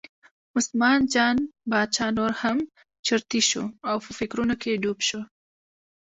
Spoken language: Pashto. عثمان جان باچا نور هم چرتي شو او په فکرونو کې ډوب شو.